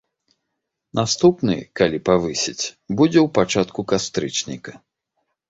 Наступны, калі павысяць, будзе ў пачатку кастрычніка.